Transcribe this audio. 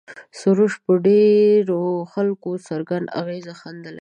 سروش پر ډېرو خلکو څرګند اغېز ښندلی دی.